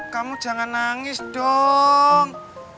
kamu jangan nangis dong